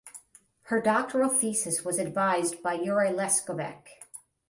Her doctoral thesis was advised by Jure Leskovec.